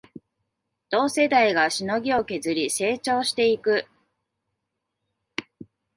同世代がしのぎを削り成長していく